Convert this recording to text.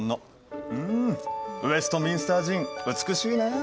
んウェストミンスター寺院美しいな。